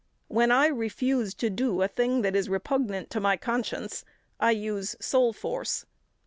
When I refuse to do a thing that is repugnant to my conscience, I use soul force.